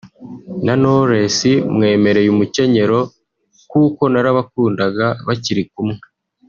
na Knowless mwemereye umukenyero kuko narabakundaga bakiri kumwe